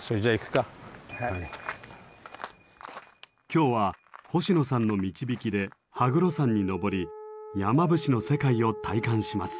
今日は星野さんの導きで羽黒山に登り山伏の世界を体感します。